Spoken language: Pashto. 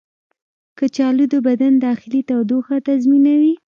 کچالو د بدن داخلي تودوخه تنظیموي.